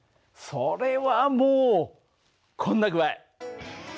それはもうこんな具合！